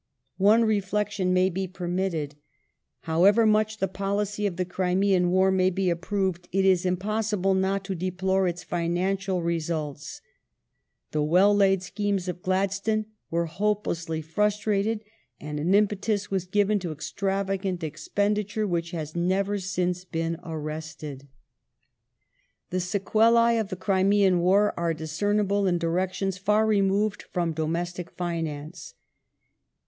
One reflec tion may be permitted. However much the policy of the Crimean War may be approved, it is impossible not to deplore its financial results : the well laid schemes of Gladstone were hopelessly frus trated, and an impetus was given to extravagant expenditure which has never since been arrested. The sequelae of the Crimean War are discernible in directions Proposed far removed from domestic finance.